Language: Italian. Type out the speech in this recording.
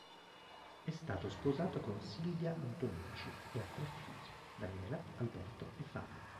È stato sposato con Silvia Antonucci, e ha tre figli: Daniela, Alberto e Fabio.